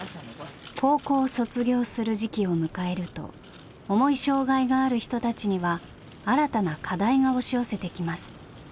高校を卒業する時期を迎えると重い障害がある人たちには新たな課題が押し寄せてきます。